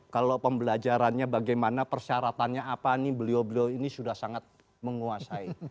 kalau pembelajarannya bagaimana persyaratannya apa nih beliau beliau ini sudah sangat menguasai